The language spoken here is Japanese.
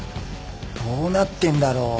どうなってんだろう。